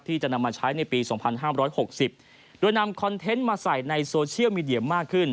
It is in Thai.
ที่จะนำมาใช้ในปี๒๕๖๐โดยนำคอนเทนต์มาใส่ในโซเชียลมีเดียมากขึ้น